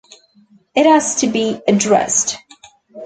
It has to be addressed.